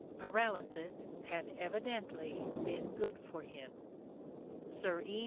Paralysis had evidently been good for him. Sir E.